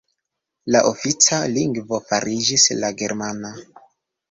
La ofica lingvo fariĝis la germana.